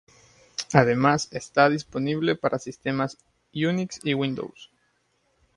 Además está disponible para sistemas Unix y Windows.